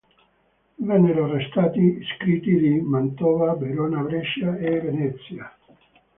Vennero arrestati iscritti di Mantova, Verona, Brescia e Venezia.